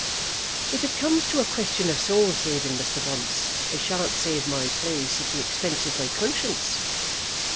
"If it comes to be a question of soul saving, Mr. Bunce, I shan't save my place at the expense of my conscience."